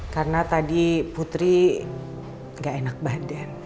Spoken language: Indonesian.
karena tadi putri gak enak badan